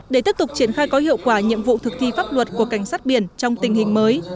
để tiếp tục triển khai có hiệu quả nhiệm vụ thực thi pháp luật của cảnh sát biển trong tình hình mới